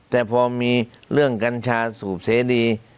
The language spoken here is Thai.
แต่พอมีเรื่องกัญชาสูบเสรี